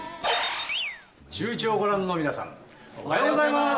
シューイチをご覧の皆さん、おはようございます。